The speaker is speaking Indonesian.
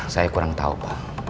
saya kurang tahu pak